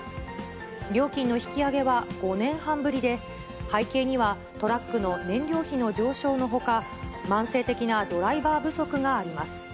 料金の引き上げは５年半ぶりで、背景には、トラックの燃料費の上昇のほか、慢性的なドライバー不足があります。